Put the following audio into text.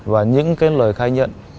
và những lời khai nhận